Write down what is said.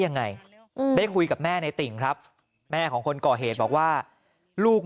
ยังไงได้คุยกับแม่ในติ่งครับแม่ของคนก่อเหตุบอกว่าลูก